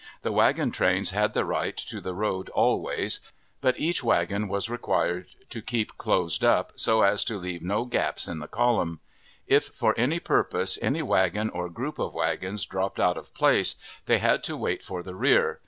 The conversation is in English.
The wagon trains had the right to the road always, but each wagon was required to keep closed up, so as to leave no gaps in the column. If for any purpose any wagon or group of wagons dropped out of place, they had to wait for the rear.